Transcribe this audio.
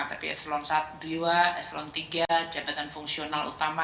tapi eselon ii eselon tiga jabatan fungsional utama